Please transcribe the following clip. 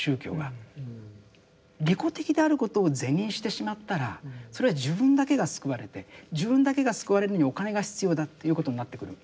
利己的であることを是認してしまったらそれは自分だけが救われて自分だけが救われるのにお金が必要だということになってくるわけですね。